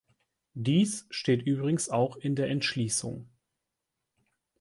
Dies steht übrigens auch in der Entschließung.